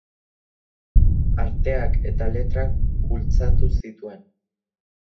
Arteak eta letrak bultzatu zituen.